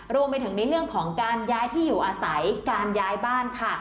รวมไปถึงในเรื่องของการย้ายที่อยู่อาศัยการย้ายบ้านค่ะ